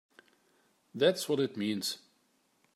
That's what it means!